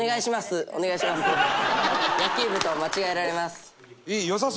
野球部と間違えられます。